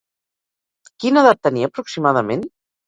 Quina edat tenia aproximadament?